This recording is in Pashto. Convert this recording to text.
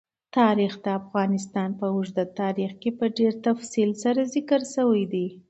تاریخ د افغانستان په اوږده تاریخ کې په ډېر تفصیل سره ذکر شوی دی.